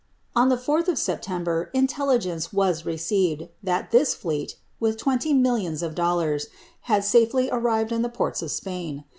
On ihe 4ih of September, intelligence was received, that ibi* BcH* ■Kiih iwenly millions of dollars, had safely arrived in the pom of Span.